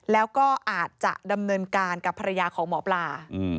แล้วก็อาจจะดำเนินการกับภรรยาของหมอปลา